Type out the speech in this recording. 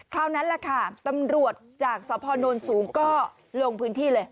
นั้นแหละค่ะตำรวจจากสพนสูงก็ลงพื้นที่เลย